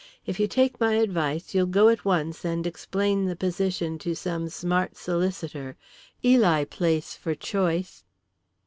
If you take my advice, you'll go at once and explain the position to some smart solicitor Ely Place for choice."